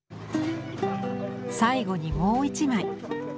最後にもう一枚。